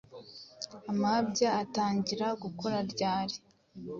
Amabya atangira gukura ryari